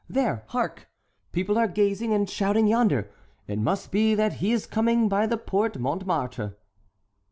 There, hark! people are gazing and shouting yonder; it must be that he is coming by the Porte Montmartre."